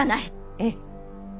ええ。